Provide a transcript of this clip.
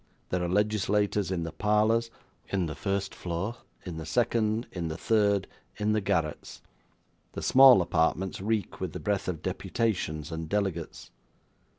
There are legislators in the parlours, in the first floor, in the second, in the third, in the garrets; the small apartments reek with the breath of deputations and delegates.